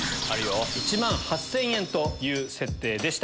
１万８０００円という設定でした。